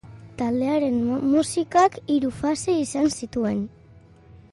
Taldearen musikak hiru fase zan zituen.